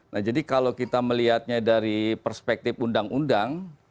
nah jadi kalau kita melihatnya dari perspektif undang undang